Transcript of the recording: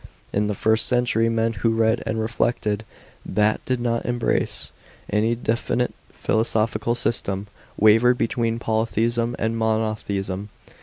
In the first century, men who read and reflected, bat did not embrace any definite philosophical system, wavered between poly theism and monotheism.